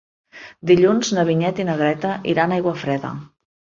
Dilluns na Vinyet i na Greta iran a Aiguafreda.